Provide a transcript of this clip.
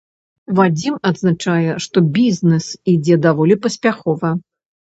Вадзім адзначае, што бізнэс ідзе даволі паспяхова.